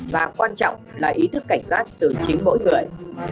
và quan trọng là ý thức cảnh sát từ chính mỗi người